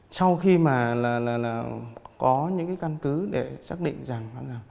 sau khi mà có những cái căn cứ để xác định rằng là